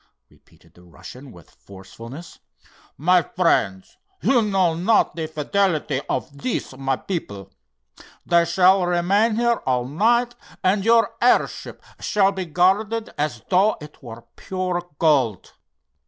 repeated the Russian with forcefulness. "My friends, you know not the fidelity of these, my people. They shall remain here all night, and your airship shall be guarded as though it were pure gold.